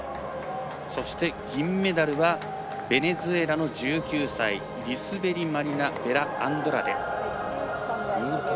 そして、銀メダルはベネズエラの１９歳リスベリマリナ・ベラアンドラデ。